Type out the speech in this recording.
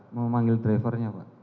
memanggil drivernya pak